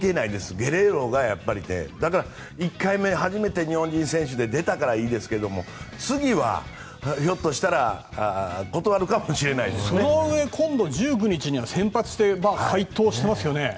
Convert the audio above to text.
ゲレーロがやっぱり１回目初めて日本人選手で出たからいいですけども次はひょっとしたらそのうえ今度、１９日には先発して快投していますよね。